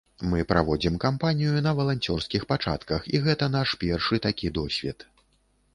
Мы праводзім кампанію на валанцёрскіх пачатках, і гэта наш першы такі досвед.